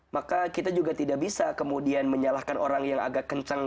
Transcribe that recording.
maka kita juga tidak bisa kemudian menyalahkan orang yang agak kencang